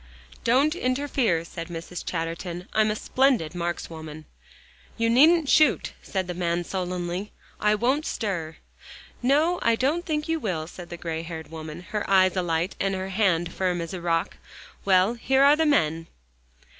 "Don't interfere," said Mrs. Chatterton. "I'm a splendid markswoman." "You needn't shoot," said the man sullenly. "I won't stir." "No, I don't think you will," said the gray haired woman, her eyes alight, and hand firm as a rock. "Well, here are the men."